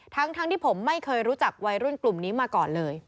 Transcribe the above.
ทั้งที่ผมไม่เคยรู้จักวัยรุ่นกลุ่มนี้มาก่อนเลย